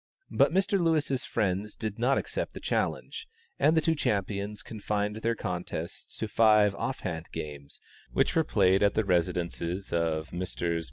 But Mr. Lewis's friends did not accept the challenge, and the two champions confined their contests to five off hand games, which were played at the residences of Messrs.